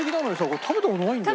これ食べた事ないんだよ。